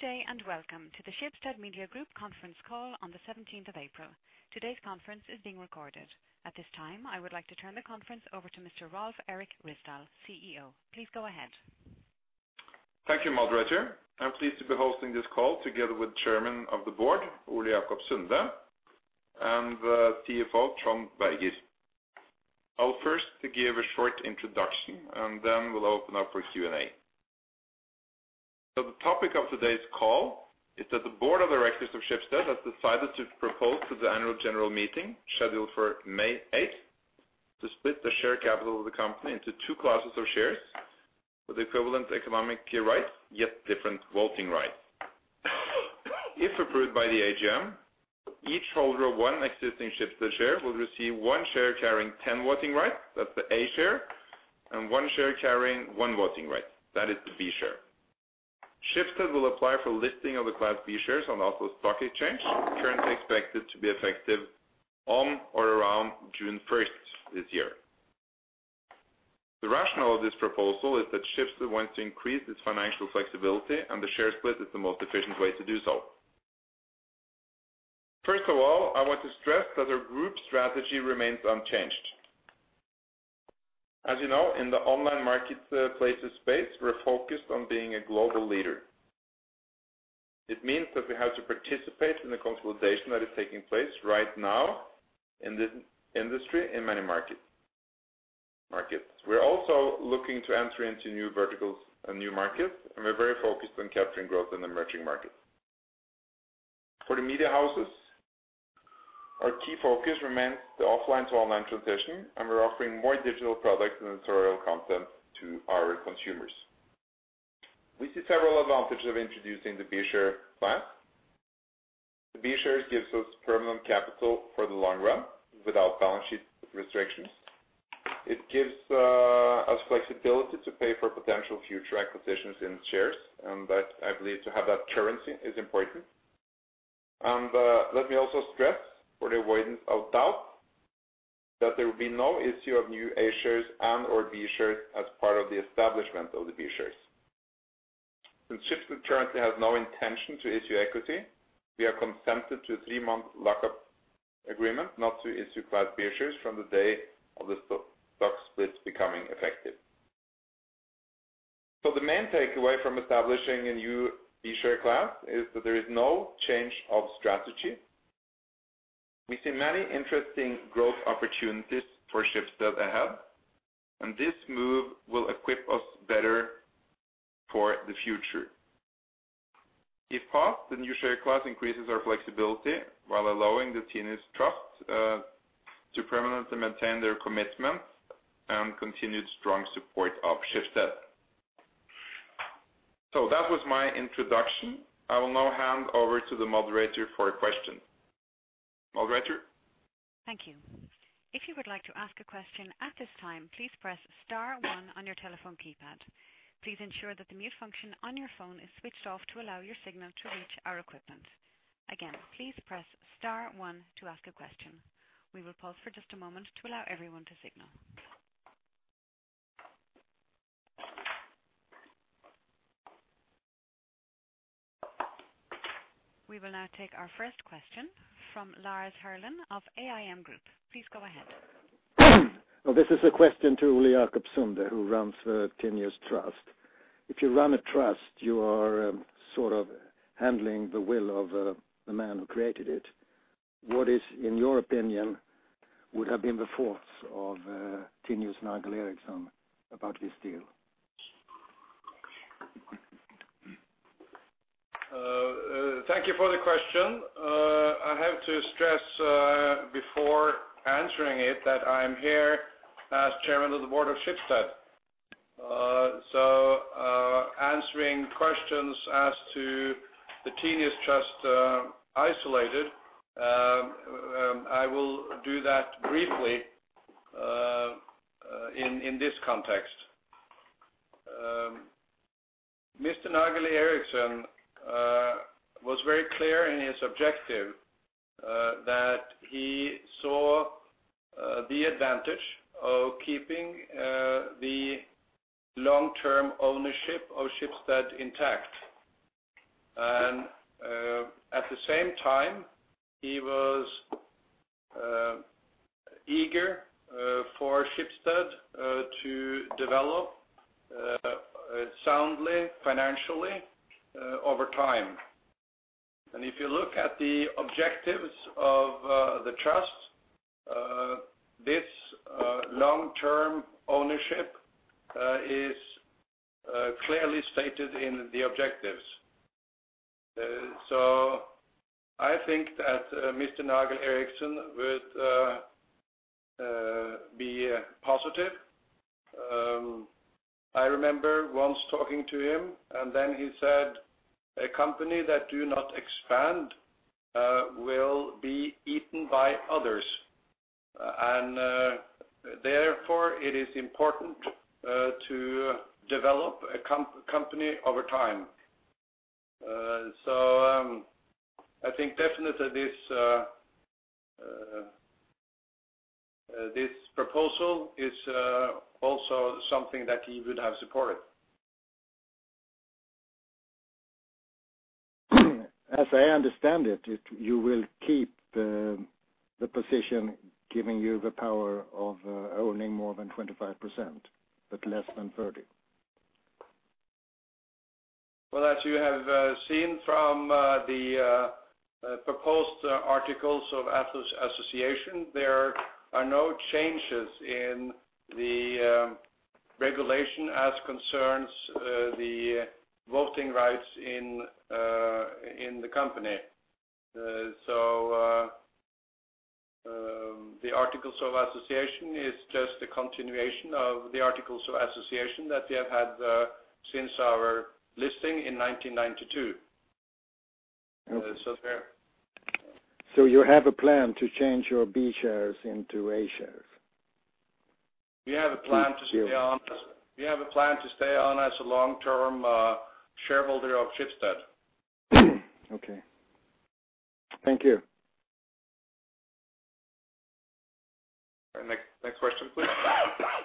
Good day, welcome to the Schibsted Media Group Conference Call on the 17th of of April. Today's conference is being recorded. At this time, I would like to turn the conference over to Mr. Rolv Erik Ryssdal, CEO. Please go ahead. Thank you, moderator. I'm pleased to be hosting this call together with Chairman of the Board, Ole Jacob Sunde, and CFO, Per Christian Mørland. I'll first give a short introduction, and then we'll open up for Q&A. The topic of today's call is that the Board of Directors of Schibsted has decided to propose to the annual general meeting, scheduled for May 8th, to split the share capital of the company into two classes of shares with equivalent economic peer rights, yet different voting rights. If approved by the AGM, each holder of one existing Schibsted share will receive one share carrying 10 voting rights, that's the A share, and one share carrying one voting right, that is the B share. Schibsted will apply for listing of the class B shares on Oslo Stock Exchange, currently expected to be effective on or around June 1st this year. The rationale of this proposal is that Schibsted wants to increase its financial flexibility, and the share split is the most efficient way to do so. First of all, I want to stress that our group strategy remains unchanged. As you know, in the online marketplaces space, we're focused on being a global leader. It means that we have to participate in the consolidation that is taking place right now in this industry in many markets. We're also looking to enter into new verticals and new markets, and we're very focused on capturing growth in emerging markets. For the media houses, our key focus remains the offline-to-online transition, and we're offering more digital products and editorial content to our consumers. We see several advantages of introducing the B share plan. The B shares gives us permanent capital for the long run without balance sheet restrictions. It gives us flexibility to pay for potential future acquisitions in shares, and that I believe to have that currency is important. Let me also stress for the avoidance of doubt that there will be no issue of new A shares and/or B shares as part of the establishment of the B shares. Schibsted currently has no intention to issue equity, we are consented to a three-month lockup agreement not to issue class B shares from the day of the stock splits becoming effective. The main takeaway from establishing a new B share class is that there is no change of strategy. We see many interesting growth opportunities for Schibsted ahead, and this move will equip us better for the future. If passed, the new share class increases our flexibility while allowing the Tinius Trust to permanently maintain their commitment and continued strong support of Schibsted. That was my introduction. I will now hand over to the moderator for questions. Moderator? Thank you. If you would like to ask a question at this time, please press star one on your telephone keypad. Please ensure that the mute function on your phone is switched off to allow your signal to reach our equipment. Again, please press star one to ask a question. We will pause for just a moment to allow everyone to signal. We will now take our first question from Lars Herlin of AIM Group. Please go ahead. This is a question to Ole Jacob Sunde, who runs the Tinius Trust. If you run a trust, you are sort of handling the will of the man who created it. In your opinion, would have been the thoughts of Tinius and Tinius Nagell-Erichsen about this deal? Thank you for the question. I have to stress before answering it that I'm here as chairman of the board of Schibsted. Answering questions as to the Tinius Trust, isolated, I will do that briefly in this context. Mr. Nagell-Erichsen was very clear in his objective that he saw the advantage of keeping the long-term ownership of Schibsted intact. At the same time, he was eager for Schibsted to develop soundly financially over time. If you look at the objectives of the trust, this long-term ownership is clearly stated in the objectives. I think that Mr. Nagell-Erichsen would be positive. I remember once talking to him, then he said, "A company that do not expand will be eaten by others." Therefore, it is important to develop a company over time. I think definitely this proposal is also something that he would have supported. As I understand it, you will keep the position giving you the power of owning more than 25%, but less than 30%. As you have seen from the proposed articles of association, there are no changes in the regulation as concerns the voting rights in the company. The articles of association is just a continuation of the articles of association that we have had since our listing in 1992. Okay. There. You have a plan to change your B shares into A shares? We have a plan to stay on. Yes. We have a plan to stay on as a long-term shareholder of Schibsted. Okay. Thank you. Next question, please.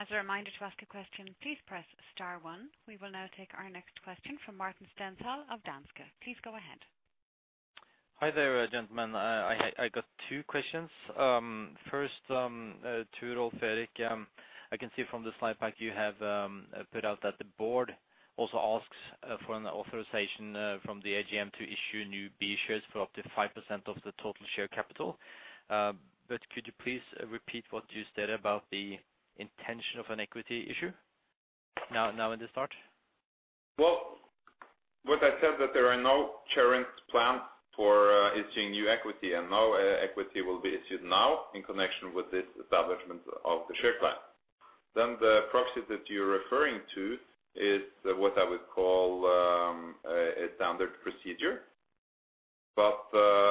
As a reminder, to ask a question, please press star one. We will now take our next question Martin Stanzl of Danske. Please go ahead. Hi there, gentlemen. I got two questions. First, to Rolv Erik. I can see from the slide pack you have put out that the board also asks for an authorization from the AGM to issue new B shares for up to 5% of the total share capital. Could you please repeat what you said about the intention of an equity issue now at the start? What I said that there are no current plans for issuing new equity and no equity will be issued now in connection with this establishment of the share plan. The proxy that you're referring to is what I would call a standard procedure, but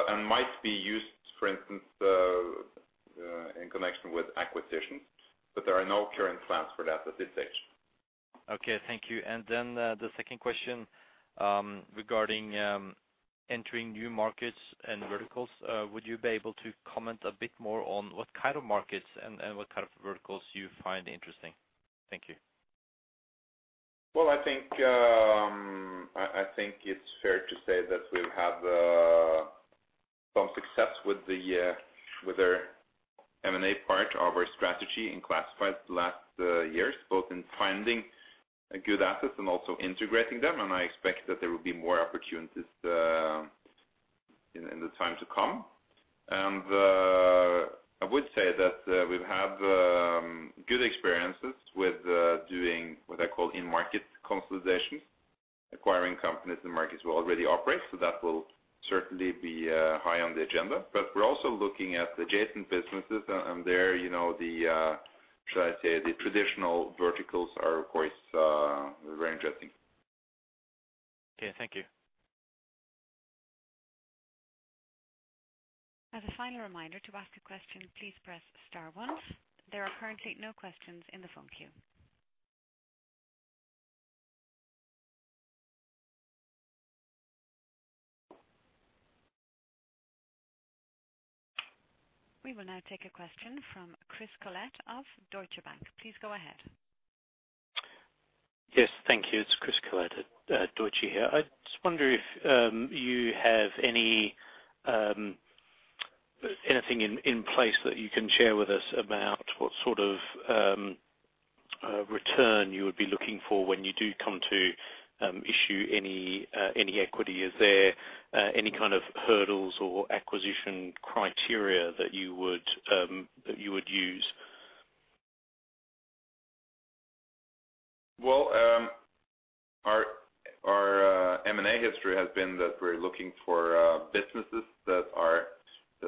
and might be used, for instance, in connection with acquisitions, but there are no current plans for that at this stage. Okay, thank you. The second question, regarding entering new markets and verticals, would you be able to comment a bit more on what kind of markets and what kind of verticals you find interesting? Thank you. Well, I think it's fair to say that we've had some success with our M&A part of our strategy in classifieds the last years, both in finding good assets and also integrating them, and I expect that there will be more opportunities in the time to come. I would say that we've had good experiences with doing what I call in-market consolidation, acquiring companies in markets we already operate, that will certainly be high on the agenda. We're also looking at adjacent businesses, there, you know, the should I say, the traditional verticals are, of course, very interesting. Okay, thank you. As a final reminder, to ask a question, please press star one. There are currently no questions in the phone queue. We will now take a question from Chris Collett of Deutsche Bank. Please go ahead. Yes. Thank you. It's Chris Collett at Deutsche here. I just wonder if you have any anything in place that you can share with us about what sort of return you would be looking for when you do come to issue any equity. Is there any kind of hurdles or acquisition criteria that you would use? Well, our M&A history has been that we're looking for businesses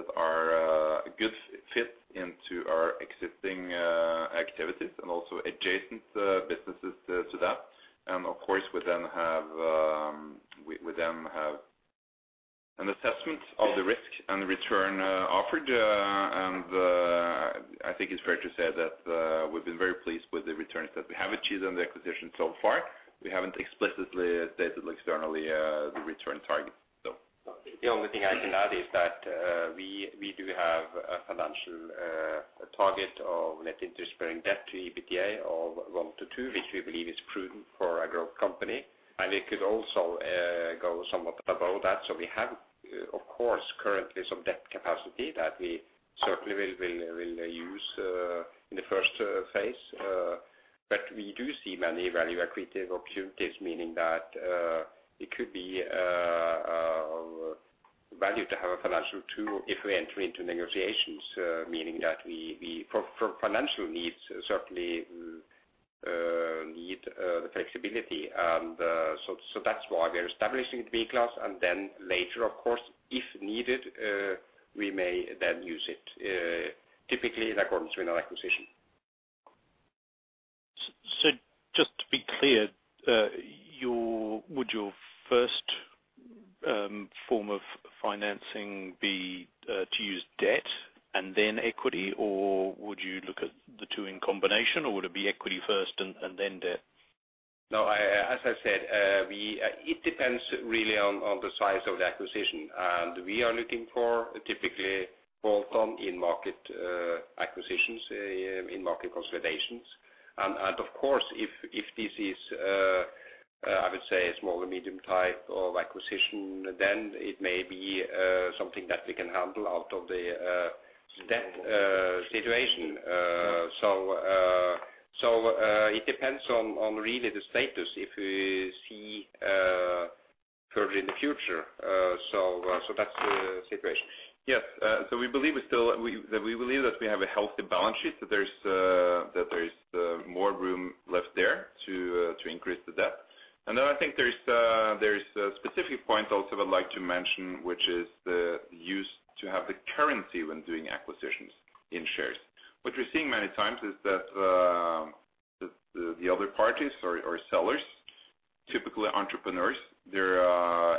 that are a good fit into our existing activities and also adjacent businesses to that. Of course, we then have an assessment of the risk and return offered. I think it's fair to say that we've been very pleased with the returns that we have achieved on the acquisition so far. We haven't explicitly stated externally the return targets. The only thing I can add is that we do have a financial target of net interest-bearing debt to EBITDA of one to two, which we believe is prudent for a growth company. We could also go somewhat above that. We have, of course, currently some debt capacity that we certainly will use in the first phase. We do see many value accretive opportunities, meaning that it could be value to have a financial tool if we enter into negotiations, meaning that we for financial needs, certainly, need the flexibility. That's why we are establishing B class, and then later, of course, if needed, we may then use it typically in accordance with an acquisition. Just to be clear, would your first form of financing be to use debt and then equity, or would you look at the two in combination, or would it be equity first and then debt? No, I, as I said, it depends really on the size of the acquisition. We are looking for typically bolt-on in market acquisitions in market consolidations. And of course if this is I would say smaller medium type of acquisition, then it may be something that we can handle out of the debt situation. So it depends on really the status if we see further in the future. So that's the situation. Yes. We believe we still have a healthy balance sheet, that there is more room left there to increase the debt. I think there's a specific point also I'd like to mention, which is the use to have the currency when doing acquisitions in shares. What we're seeing many times is that the other parties or sellers, typically entrepreneurs, they're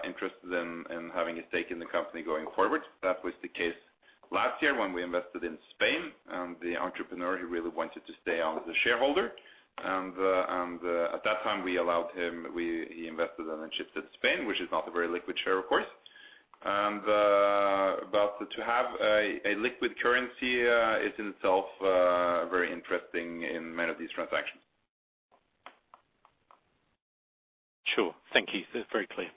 interested in having a stake in the company going forward. That was the case last year when we invested in Spain, the entrepreneur, he really wanted to stay on as a shareholder. At that time, we allowed him. He invested and then shifted Spain, which is not a very liquid share, of course. To have a liquid currency is itself very interesting in many of these transactions. Sure. Thank you. That's very clear.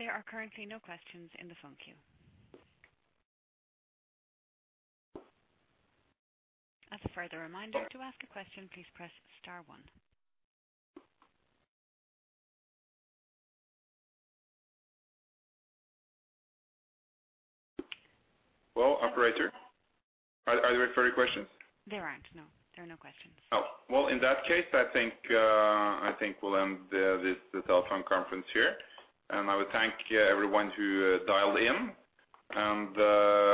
There are currently no questions in the phone queue. As a further reminder, to ask a question, please press star one. Well, operator, are there any further questions? There aren't, no. There are no questions. Oh, well, in that case, I think, I think we'll end the telephone conference here. I would thank everyone who dialed in.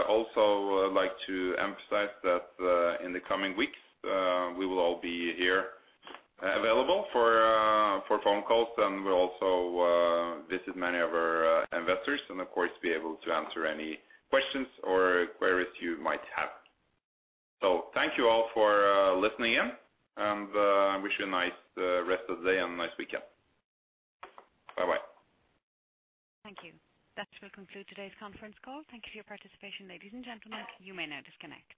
Also like to emphasize that in the coming weeks, we will all be here available for phone calls and we'll also visit many of our investors and of course, be able to answer any questions or queries you might have. Thank you all for listening in and wish you a nice rest of the day and a nice weekend. Bye-bye. Thank you. That will conclude today's conference call. Thank you for your participation, ladies and gentlemen. You may now disconnect.